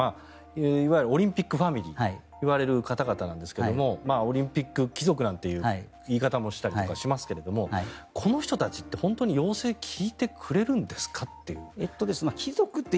いわゆるオリンピックファミリーといわれる方々ですがオリンピック貴族なんて言い方もしたりしますがこの人たちって本当に要請を聞いてくれるんですか？という。